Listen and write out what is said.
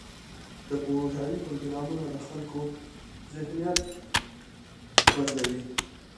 د پوهاوي پروګرامونه د خلکو ذهنیت بدلوي.